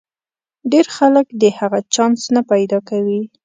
ډېر خلک د هغه چانس نه پیدا کوي.